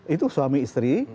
itu suami istri